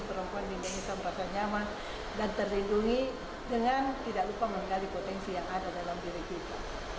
perempuan indonesia merasa nyaman dan terlindungi dengan tidak lupa menggali potensi yang ada dalam diri kita